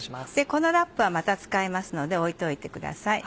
このラップはまた使いますので置いておいてください。